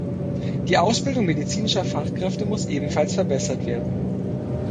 Die Ausbildung medizinischer Fachkräfte muss ebenfalls verbessert werden.